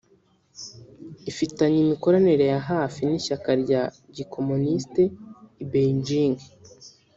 ifitanye imikoranire ya hafi n’Ishyaka rya Gikomonisite I Beijing